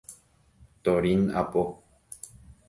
Torín apo.